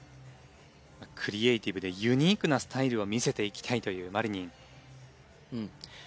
クリエーティブでユニークなスタイルを見せていきたいというマリニン。